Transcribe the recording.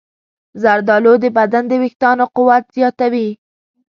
زردالو د بدن د ویښتانو قوت زیاتوي.